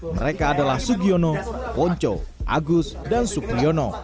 mereka adalah sugiono ponco agus dan supriyono